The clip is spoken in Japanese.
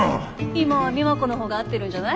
今は美摩子の方が合ってるんじゃない？